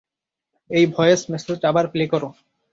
ওই ভয়েস মেসেজটা আবার প্লে করো।